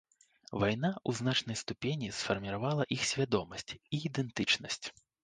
Вайна ў значнай ступені сфармавала іх свядомасць і ідэнтычнасць.